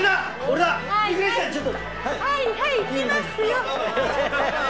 はいはい行きますよ。